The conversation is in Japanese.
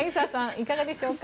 いかがでしょうか。